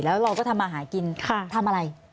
แล้วเราก็ทำมาหากินทำอะไร